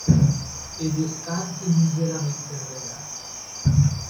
E due stanze miseramente arredate.